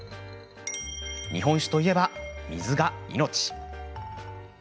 日本酒といえば、水が命。